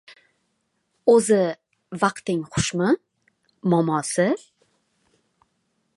— O‘zi, vaqting xushmi, momosi?